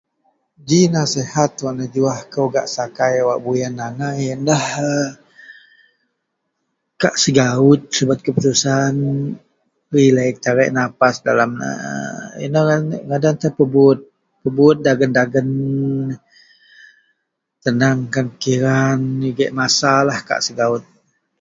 ji nasihat wak nejuah kou gak sakai wak buyen agai ienlah a kak segaut subet keputusan, relek tarik nafas dalem aaa inou ngadan ien, pebuyut, pebuyut dagen-dagen, tenangkan pikiran, nigek masa lah kak segaut